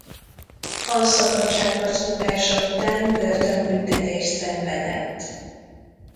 A szabadságharc bukása után börtönbüntetést szenvedett.